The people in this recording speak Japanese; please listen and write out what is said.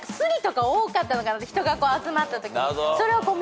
人が集まったときに。